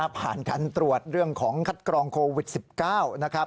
ผ่านการตรวจเรื่องของคัดกรองโควิด๑๙นะครับ